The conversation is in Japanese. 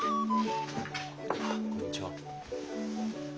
こんにちは。